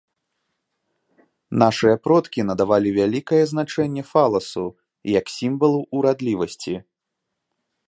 Нашыя продкі надавалі вялікае значэнне фаласу як сімвалу ўрадлівасці.